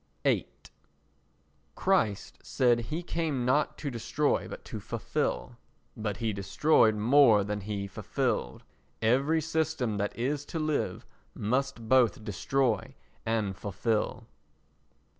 viii Christ said he came not to destroy but to fulfil—but he destroyed more than he fulfilled. Every system that is to live must both destroy and fulfil.